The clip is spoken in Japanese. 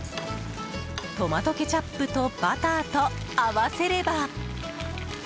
トマトケチャップとバターと合わせれば。